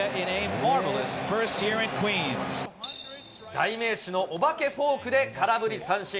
代名詞のお化けフォークで空振り三振。